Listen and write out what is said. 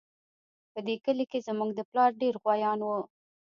په دې کلي کې زموږ د پلار ډېر غويان وو